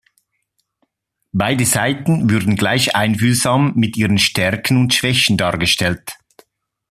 Beide Seiten würden gleich einfühlsam mit ihrem Stärken und Schwächen dargestellt.